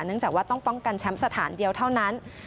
จากว่าต้องป้องกันแชมป์สถานเดียวเท่านั้น